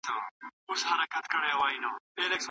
که عملیات وي نو رنځ نه اوږدیږي.